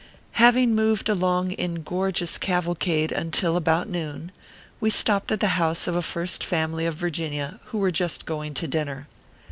Having moved along in gorgeous cavalcade until about noon, we stopped at the house of a First Fam ily of Virginia who were just going to dinner.